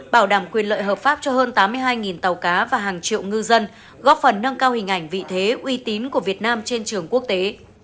bảo đảm quyền lợi hợp pháp cho hơn tám mươi hai tàu cá và hàng triệu ngư dân góp phần nâng cao hình ảnh vị thế uy tín của việt nam trên trường quốc tế